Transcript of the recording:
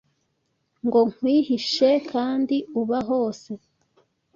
Ngo nkwihishe kandi uba hose